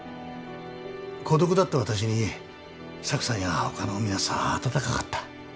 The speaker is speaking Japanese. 孤独だった私にサクさんや他の皆さんは温かかった。